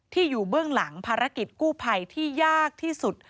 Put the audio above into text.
อยู่เบื้องหลังภารกิจกู้ภัยที่ยากที่สุด